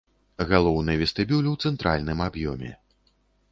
Галоўны вестыбюль у цэнтральным аб'ёме.